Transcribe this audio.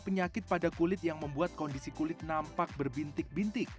penyakit pada kulit yang membuat kondisi kulit nampak berbintik bintik